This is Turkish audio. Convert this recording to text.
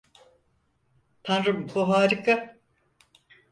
Tanrım, bu harika.